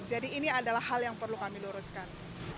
ini adalah hal yang perlu kami luruskan